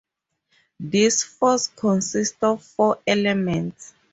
This force consists of four elements.